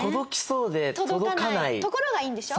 ところがいいんでしょ？